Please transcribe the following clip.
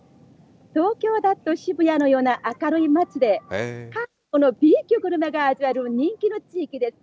東京だと渋谷のような明るい街で、韓国のＢ級グルメが味わえる人気の地域です。